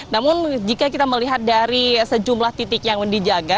namun jika kita melihat dari sejumlah titik yang dijaga